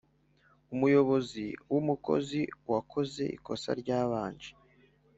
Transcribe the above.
umuyobozi w umukozi wakoze ikosa ryabanje